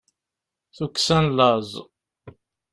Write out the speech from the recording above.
tukksa n laẓ